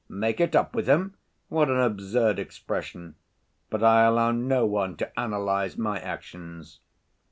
"Make it up with him? What an absurd expression! But I allow no one to analyze my actions."